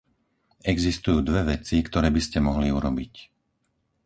Existujú dve veci, ktoré by ste mohli urobiť.